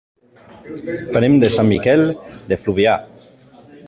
Venim de Sant Miquel de Fluvià.